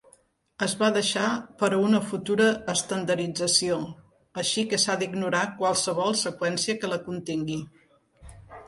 Es va deixar per a una futura estandardització, així que s'ha d'ignorar qualsevol seqüència que la contingui.